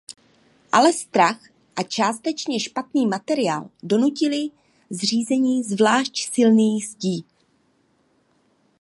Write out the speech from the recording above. Ale strach a částečně špatný materiál donutily zřízení zvlášť silných zdi.